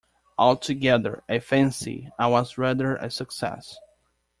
Altogether I fancy I was rather a success.